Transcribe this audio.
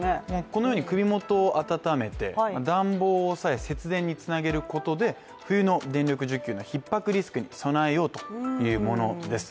このように首元を温めて暖房を抑え節電につなげることで冬の電力需給のひっ迫に備えようということです。